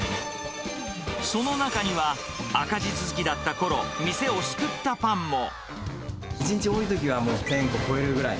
その中には、赤字続きだったころ、店を救ったパンも。